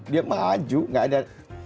dia maju enggak ada